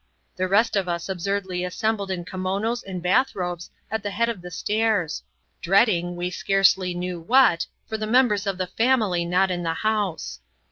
The rest of us absurdly assembled in kimonos and bathrobes at the head of the stairs, dreading we scarcely knew what, for the members of the family not in the house.